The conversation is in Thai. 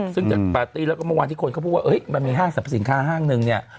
ซึ่งจากปาร์ตี้แล้วก็เมื่อวานที่คนเขาพูดว่ามันมีห้างสรรพสินค้าห้างนึงเนี่ย